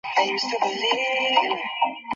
শুনুন, সবখানে বোমা ফাটছে।